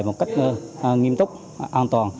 một cách nghiêm túc an toàn